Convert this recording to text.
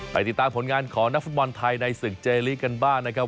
ติดตามผลงานของนักฟุตบอลไทยในศึกเจลีกันบ้างนะครับ